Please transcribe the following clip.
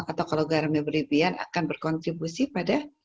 atau kalau garamnya berlebihan akan berkontribusi pada